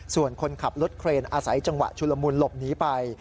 ส่วนคนขับรถเครนอาศัยจังหวะชุลมุนหลบหนีไป